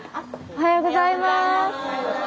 おはようございます。